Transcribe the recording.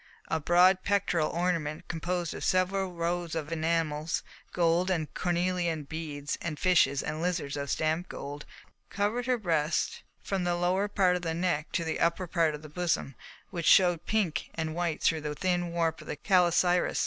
A broad pectoral ornament, composed of several rows of enamels, gold and cornelian beads, and fishes and lizards of stamped gold, covered her breast from the lower part of the neck to the upper part of the bosom, which showed pink and white through the thin warp of the calasiris.